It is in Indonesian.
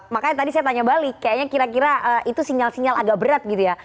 makanya tadi saya tanya balik kayaknya kira kira itu sinyal sinyal agak berat gitu ya